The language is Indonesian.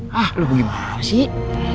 hah lu begini gimana sih